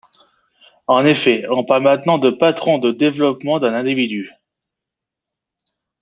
En effet, on parle maintenant de patron de développement d'un individu.